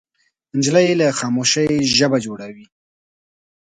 نجلۍ له خاموشۍ ژبه جوړوي.